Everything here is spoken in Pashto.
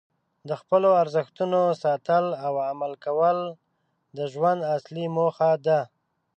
د خپلو ارزښتونو ساتل او عمل کول د ژوند اصلي موخه ده.